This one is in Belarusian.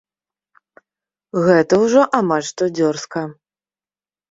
Гэта ўжо амаль што дзёрзка.